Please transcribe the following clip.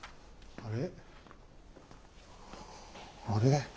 あれ？